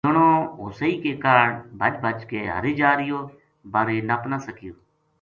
جنو ہوسئی کے کاہڈ بھَج بھَج کے ہری جا رہیو بارے نپ نا سکیو